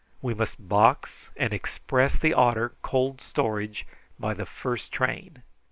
We must box and express the otter, cold storage, by the first train.